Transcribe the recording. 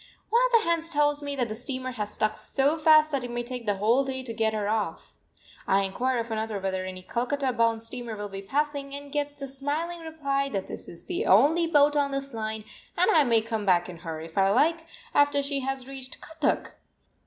One of the hands tells me that the steamer has stuck so fast that it may take the whole day to get her off. I inquire of another whether any Calcutta bound steamer will be passing, and get the smiling reply that this is the only boat on this line, and I may come back in her, if I like, after she has reached Cuttack!